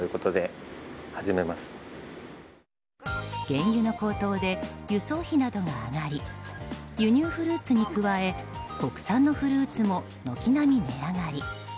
原油の高騰で輸送費などが上がり輸入フルーツに加え国産のフルーツも軒並み値上がり。